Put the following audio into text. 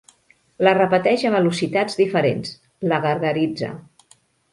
La repeteix a velocitats diferents, la gargaritza.